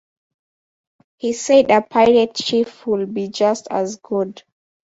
He said a Pirate Chief would be just as good.